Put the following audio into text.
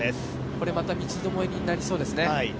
これまた、三つどもえになりそうですね。